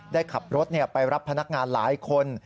ได้ขับรถไปรับพนักงานหลายคน